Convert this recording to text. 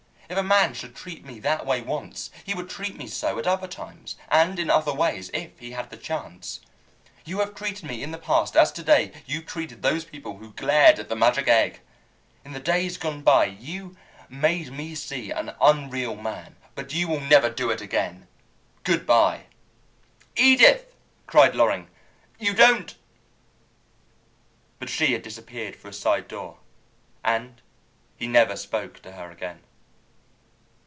If a man should treat me in that way once he would treat me so at other times, and in other ways, if he had the chance. You have treated me in the past as to day you treated those people who glared at the magic egg. In the days gone by you made me see an unreal man, but you will never do it again! Good by." "Edith," cried Loring, "you don't " But she had disappeared through a side door, and he never spoke to her again.